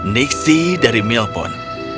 niksi dari milpon